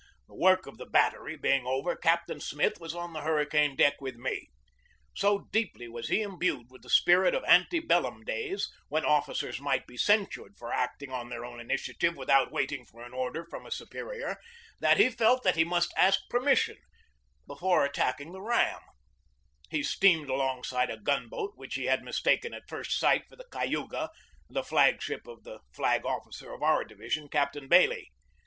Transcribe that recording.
The work of the battery being over, Captain Smith was on the hurri cane deck with me. So deeply was he imbued with the spirit of ante bellum days, when officers might be censured for acting on their own initiative without waiting for an order from a superior, that he felt that he must first ask permission before attacking THE BATTLE OF NEW ORLEANS 69 the ram. He steamed alongside a gun boat which he had mistaken at first sight for the Cayuga, the flag ship of the flag officer of our division, Captain Bailey.